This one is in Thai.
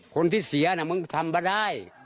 คนที่เสียนะมึงทำมาได้